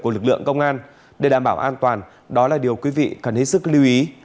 của lực lượng công an để đảm bảo an toàn đó là điều quý vị cần hết sức lưu ý